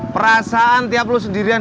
perasaan tiap lo sendirian